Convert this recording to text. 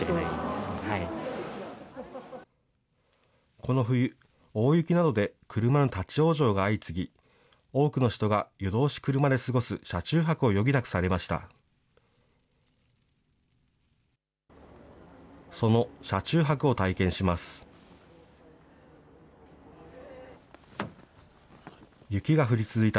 この冬、大雪などで車の立往生が相次ぎ、多くの人が夜通し車で過ごす車中泊を余儀なくされました。